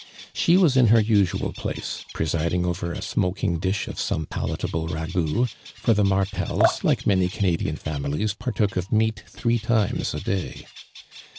She was in her usual place, jiresiding over a smoking fUsh of some palatable raqouf, for the Martels, like many Canadian fami lies, partook of meat, three times a day.